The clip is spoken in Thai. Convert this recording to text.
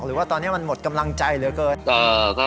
หรือว่าตอนนี้มันหมดกำลังใจเหลือเกิน